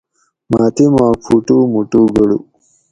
مٞہ تیماک فُٹو مُٹو گٞڑو